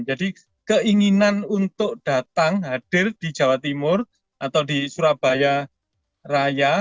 jadi keinginan untuk datang hadir di jawa timur atau di surabaya raya